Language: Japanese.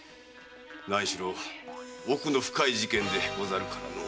何しろ奥の深い事件でござるからのう。